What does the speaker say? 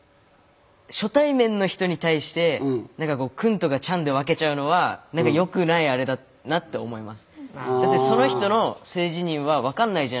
初対面の人に対して何かこう「君」とか「ちゃん」で分けちゃうのは何かよくないあれだなって思います。